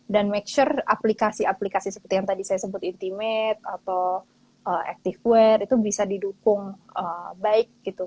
dan make sure aplikasi aplikasi seperti yang tadi saya sebut intimate atau activewear itu bisa didukung baik gitu